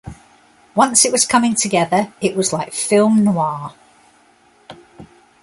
Once it was coming together, it was like film noir.